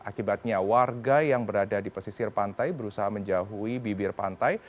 akibatnya warga yang berada di pesisir pantai berusaha menjauhi bibir pantai